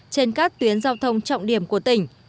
trên các tuyến giao thông trọng điểm của tỉnh